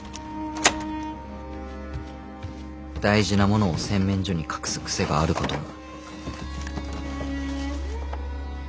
大事なものを洗面所に隠す癖があることを。